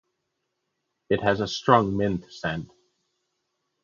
It has a strong mint scent.